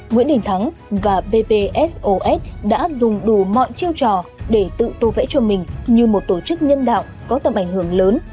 nguyễn đình thắng và bpsos đã dùng đủ mọi chiêu trò để tự tô vẽ cho mình như một tổ chức nhân đạo có tầm ảnh hưởng lớn